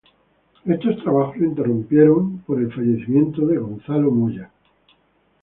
Estos trabajos se interrumpieron por el fallecimiento de Gonzalo Moya.